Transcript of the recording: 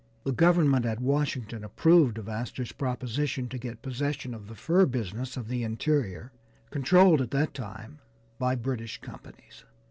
The Government at Washington approved of Astor's proposition to get possession of the fur business of the Interior, controlled at that time by British companies.